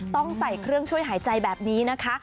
ต้องใส่เครื่องช่วยหายใจแบบนี้นะคะ